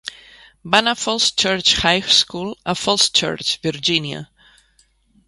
Va anar al Falls Church High School a Falls Church, Virginia.